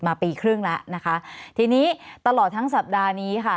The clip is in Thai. มาปีครึ่งแล้วนะคะทีนี้ตลอดทั้งสัปดาห์นี้ค่ะ